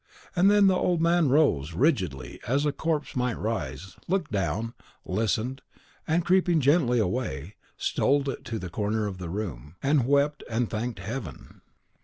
And then the old man rose, rigidly, as a corpse might rise, looked down, listened, and creeping gently away, stole to the corner of the room, and wept, and thanked Heaven!